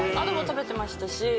食べてましたし。